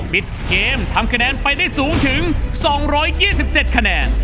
ปิดเกมทำคะแนนไปได้สูงถึง๒๒๗คะแนน